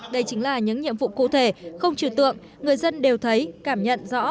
đây chính là những nhiệm vụ cụ thể không trừ tượng người dân đều thấy cảm nhận rõ